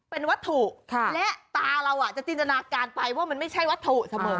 เป็นวัตถุและตาเราจะจินตนาการไปว่ามันไม่ใช่วัตถุเสมอ